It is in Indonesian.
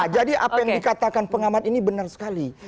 jadi apa yang dikatakan pengamat ini benar sekali